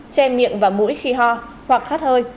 che miệng và mũi khi ho hoặc khát hơi